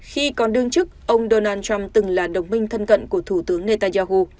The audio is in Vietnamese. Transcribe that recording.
khi còn đương chức ông donald trump từng là đồng minh thân cận của thủ tướng netanyahu